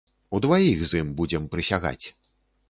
Удваіх з ім будзем прысягаць!